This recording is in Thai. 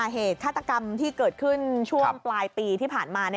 เหตุฆาตกรรมที่เกิดขึ้นช่วงปลายปีที่ผ่านมา